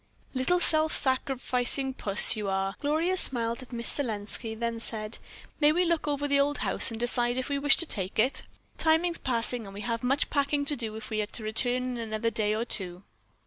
"Little self sacrificing puss that you are." Gloria smiled at Miss Selenski, then said: "May we look over the old house and decide if we wish to take it? Time is passing and we have much packing to do if we are to return in another day or two."